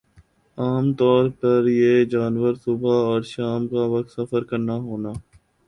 عام طور پر یِہ جانور صبح اور شام کا وقت سفر کرنا ہونا